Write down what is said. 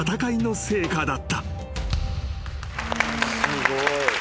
すごい。